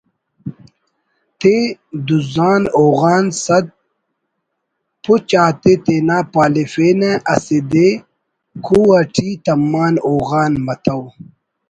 تے دُزان ہوغان سدا پُچ آتے تینا پالفینہ اسہ دے کُو اَٹی تمان ہوغان متو